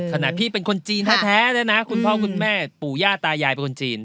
ขณะพี่เป็นคนจีนแท้เลยนะคุณพ่อคุณแม่ปู่ย่าตายายเป็นคนจีน